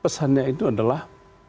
pesannya itu adalah